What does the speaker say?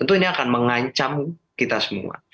tentu ini akan mengancam kita semua